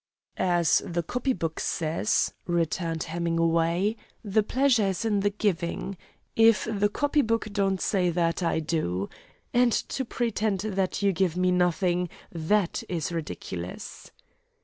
"As the copy book says," returned Hemingway, "'the pleasure is in the giving.' If the copy book don't say that, I do. And to pretend that you give me nothing, that is ridiculous!"